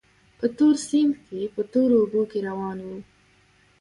په تور سیند کې په تورو اوبو کې روان وو.